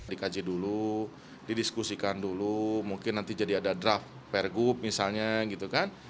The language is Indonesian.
dikaji dulu didiskusikan dulu mungkin nanti jadi ada draft pergub misalnya gitu kan